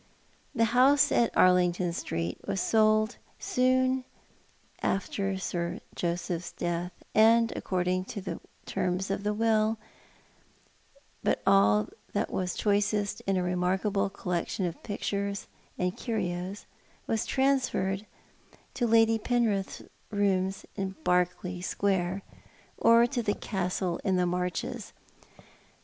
The house in Arlington Street was sold soon after Sir Joseph's death, and according to the terms of his will ; but all that was choicest in a remarkable collection of pictures and curios was transferred to Lady Penrith's rooms in Berkeley 196 ThoiL art the Mail. Square, or to the castle in the Marches.